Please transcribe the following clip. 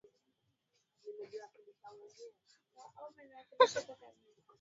tunaweza kujibu swali hili kwa msaada wao